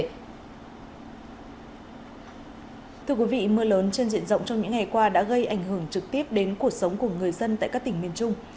thưa quý vị mưa lớn trên diện rộng trong những ngày qua đã gây ảnh hưởng trực tiếp đến cuộc sống của người dân tại các tỉnh miền trung